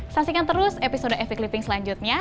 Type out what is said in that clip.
saksikan terus episode epic living selanjutnya